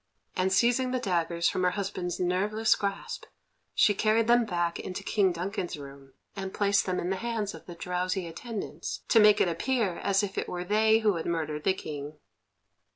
And, seizing the daggers from her husband's nerveless grasp, she carried them back into King Duncan's room, and placed them in the hands of the drowsy attendants, to make it appear as if it were they who had murdered the King.